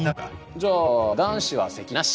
じゃあ男子は席替えなし！